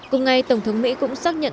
cùng ngày tổng thống mỹ cũng xác nhận